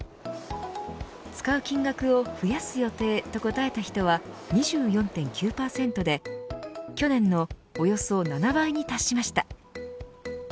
使う金額を増やす予定と答えた人は２４．９％で去年のおよそ７倍に達しました。